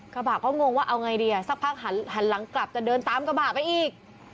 กระบะก็งงว่าเอาไงดีอ่ะสักพักหันหลังกลับจะเดินตามกระบะไปอีก